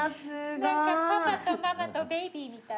なんかパパとママとベイビーみたい。